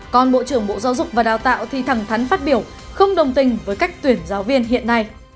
còn bộ trưởng bộ giáo dục và đào tạo thì thẳng thắn phát biểu không đồng tình với cách tuyển giáo viên hiện nay